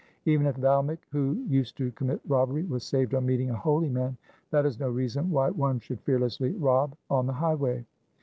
Even if Valmik who used to commit robbery was saved on meeting a holy man, that is no reason why one should fearlessly rob on the high way.